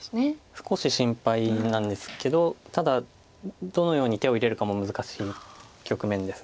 少し心配なんですけどただどのように手を入れるかも難しい局面です。